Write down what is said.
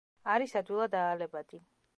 არის ადვილად აალებადი.